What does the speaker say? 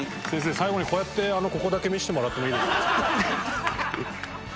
先生最後にこうやってここだけ見せてもらってもいいですか？